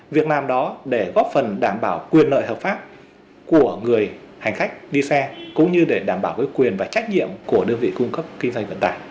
việc làm đó để góp phần đảm bảo quyền lợi hợp pháp của người hành khách đi xe cũng như để đảm bảo quyền và trách nhiệm của đơn vị cung cấp kinh doanh vận tải